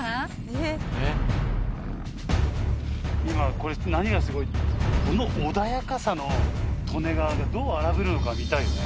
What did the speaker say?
今、これ、何がすごいって、この穏やかさの利根川が、どう荒ぶるのか見たいよね。